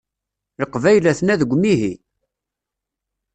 Leqbayel aten-a deg umihi.